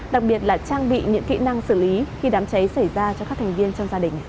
đặc biệt là trang bị những kỹ năng xử lý khi đám cháy xảy ra cho các thành viên trong gia đình